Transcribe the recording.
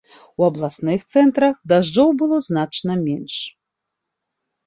У абласных цэнтрах дажджоў было значна менш.